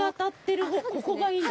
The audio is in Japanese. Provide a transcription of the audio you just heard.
ここがいいんだ？